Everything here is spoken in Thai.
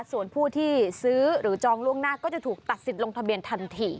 ส่วนผู้ที่ซื้อหรือจองล่วงหน้าก็จะถูกตัดสิทธิ์ลงทะเบียนทันที